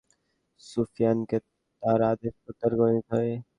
যার ফলে বাধ্য হয়েই আবু সুফিয়ানকে তার আদেশ প্রত্যাহার করে নিতে হয়।